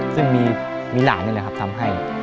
ซึ่งมีหลานนี่แหละครับทำให้